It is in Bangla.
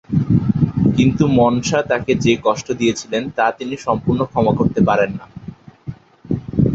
কিন্তু মনসা তাকে যে কষ্ট দিয়েছিলেন, তা তিনি সম্পূর্ণ ক্ষমা করতে পারেন না।